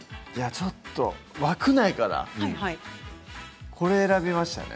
ちょっと枠内からこれを選びました。